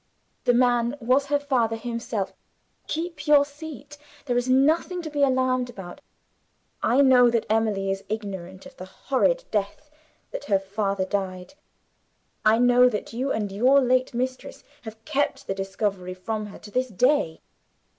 "The man was her father himself. Keep your seat! There is nothing to be alarmed about. I know that Emily is ignorant of the horrid death that her father died. I know that you and your late mistress have kept the discovery from her to this day.